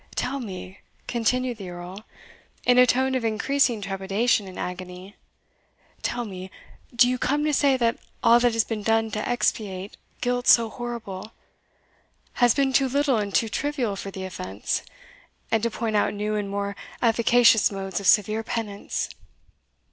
"Tell me," continued the Earl, in a tone of increasing trepidation and agony "tell me, do you come to say that all that has been done to expiate guilt so horrible, has been too little and too trivial for the offence, and to point out new and more efficacious modes of severe penance?